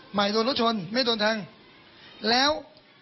ใหม่โดนรถชนไม่โดนทางแล้ว